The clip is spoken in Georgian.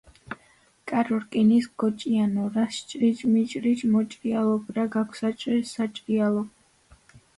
კარო რკინის გოჭიანო რას ჭრიჭ მიჭრიჭ მოჭრიალობ რა გაქვს საჭრეჭ საჭრიალო?